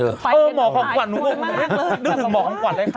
เออหมอของขวัญนึกถึงหมอของขวัญได้ค่ะ